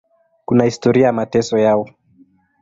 Kuna historia ya mateso yao.